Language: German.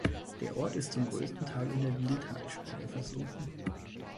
Der Ort ist zum größten Teil in der Wiehltalsperre versunken.